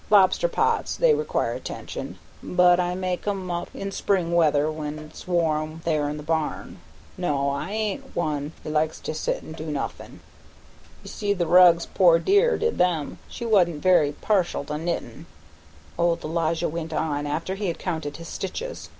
Lobster pots they require attention, but I make 'em up in spring weather when it's warm there in the barn. No; I ain't one o' them that likes to set an' do nothin'." "You see the rugs, poor dear did them; she wa'n't very partial to knittin'," old Elijah went on, after he had counted his stitches.